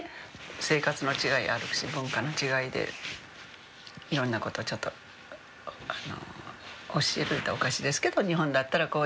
生活の違いあるし文化の違いでいろんなことをちょっと教える言うたらおかしいですけど「日本だったらこうですよ」